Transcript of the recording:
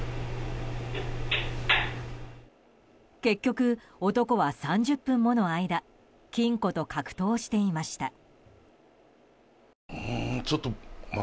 結局、男は３０分もの間金庫と格闘していました。